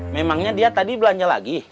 memangnya dia tadi belanja lagi